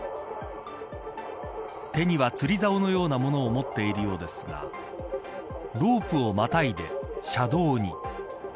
手には、釣りざおのようなものを持っているようですがロープをまたいで車道に。